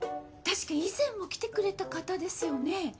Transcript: たしか以前も来てくれた方ですよね？